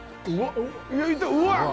うわっ！